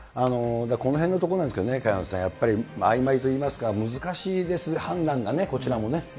このへんのところなんですけどね、萱野さん、やっぱりあいまいといいますか、難しいです、判断が、こちらもね。